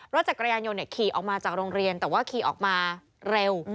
รถจักรยานยนต์ขี่ออกมาจากโรงเรียนแต่ว่าขี่ออกมาเร็ว